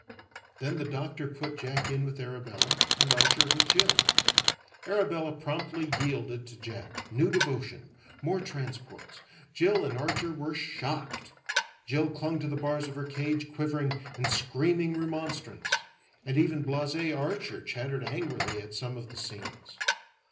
Then the doctor put Jack in with Arabella, and Archer with Jill. Arabella promptly yielded to Jack. New devotion. More transports. Jill and Archer were shocked. Jill clung to the bars of her cage, quivering, and screaming remonstrance; and even blase Archer chattered angrily at some of the scenes.